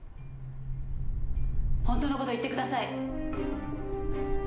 本当の事を言ってください！